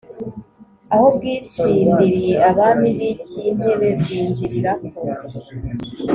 aho bwitsindiriye abami b’i cyintebe bwinjirira ko.